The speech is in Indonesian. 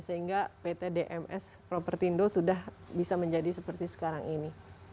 sehingga pt dms propertindo sudah bisa menjadi seperti sekarang ini